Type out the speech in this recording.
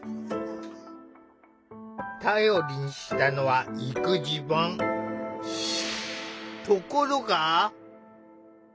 頼りにしたのはところが。